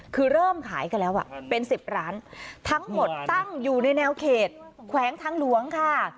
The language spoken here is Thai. คือเริ่มขายกันแล้วเป็น๑๐ร้านทั้งหมดตั้งอยู่ในแนวเขตแขวงทางหลวงค่ะ